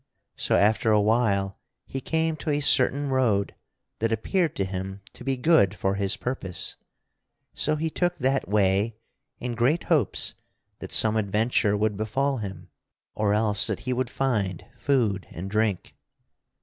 So after a while he came to a certain road that appeared to him to be good for his purpose, so he took that way in great hopes that some adventure would befall him, or else that he would find food and drink.